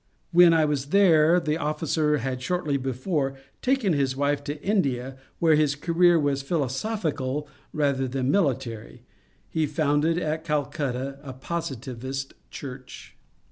When I was there the officer had shortly before taken his bride to India, where his career was philosophical rather than military ; he founded at Calcutta a Positivist church.